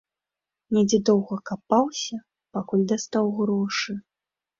Недзе доўга капаўся, пакуль дастаў грошы.